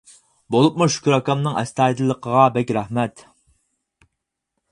بولۇپمۇ شۈكۈر ئاكامنىڭ ئەستايىدىللىقىغا بەك رەھمەت!